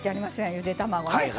ゆで卵ね。